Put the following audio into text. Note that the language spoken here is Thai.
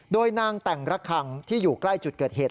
โดยนางแต่งระคังที่อยู่ใกล้จุดเกิดเหตุ